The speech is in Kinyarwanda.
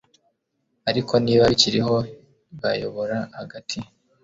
ariko niba bikiriho bayobora hagati